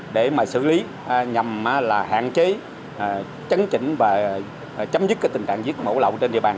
để mà xử lý nhằm hạn chế chấn chỉnh và chấm dứt cái tình trạng giết mổ lậu trên địa bàn